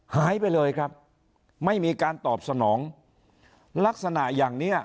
หายไปเลยครับไม่มีการตอบสนองลักษณะอย่างเนี้ย